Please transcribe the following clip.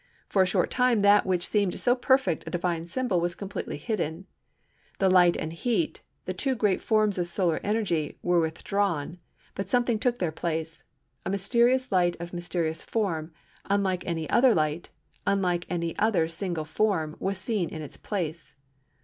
For a short time that which seemed so perfect a divine symbol was completely hidden. The light and heat, the two great forms of solar energy, were withdrawn, but something took their place. A mysterious light of mysterious form, unlike any other light, unlike any other single form, was seen in its place.